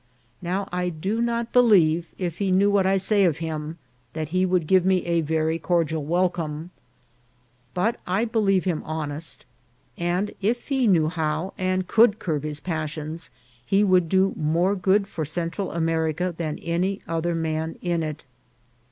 Now I do not believe, if he knew what I say of him, that he would give me a very cordial welcome ; but I believe him honest, and if he knew how, and could curb his passions, he would do more good for Central America than any other man in it.